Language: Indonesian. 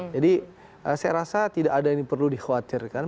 jadi saya rasa tidak ada yang perlu dikhawatirkan